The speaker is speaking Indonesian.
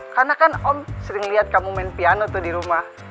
karena kan om sering liat kamu main piano tuh di rumah